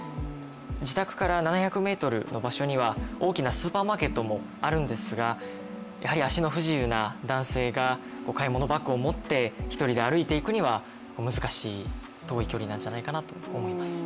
自宅から７００ｍの場所には大きなスーパーマーケットもあるんですが、やはり足の不自由な男性が買い物バッグを持って一人で歩いていくには難しい遠い距離なんじゃないかなと思います。